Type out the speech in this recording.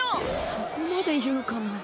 そこまで言うかな。